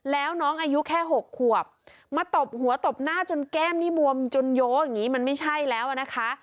แล้วน้องอายุแค่๖ขวบมาตบหัวตบหน้าจนแก้มนี่บวมจนโยอย่างนี้มันไม่ใช่แล้วนะคะ